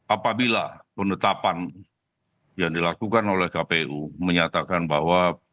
apabila penetapan yang dilakukan oleh kpu menyatakan bahwa